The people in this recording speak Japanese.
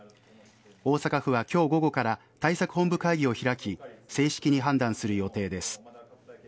大阪府は今日午後から対策本部会議を開き正式に判断する予定です。